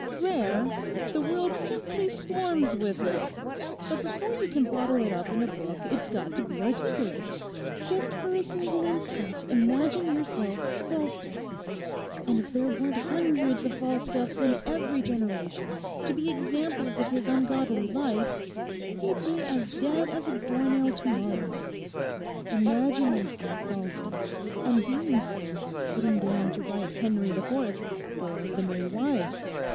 'Rare! the world simply swarms with it. But before you can bottle it up in a book it's got to be articulate. Just for a single instant imagine yourself Falstaff, and if there weren't hundreds of Falstaffs in every generation, to be examples of his ungodly life, he'd be as dead as a doornail to morrow—imagine yourself Falstaff, and being so, sitting down to write "Henry IV," or "The Merry Wives."